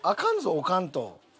置かんと。